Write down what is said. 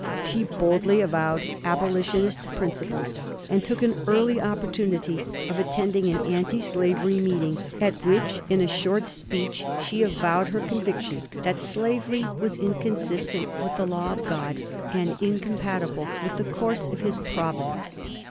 She boldly avowed abolitionist principles, and took an early opportunity of attending an anti slavery meeting at which, in a short speech, she avowed her conviction that slavery was inconsistent with the law of God, and incompatible with the course of His providence.